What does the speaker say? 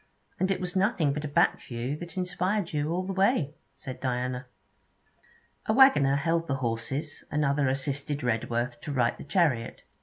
'And it was nothing but a back view that inspired you all the way,' said Diana. A waggoner held the horses, another assisted Redworth to right the chariot.